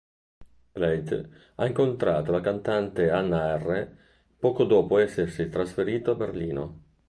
Plate ha incontrato la cantante AnNa R. poco dopo essersi trasferito a Berlino.